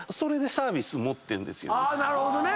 なるほどね！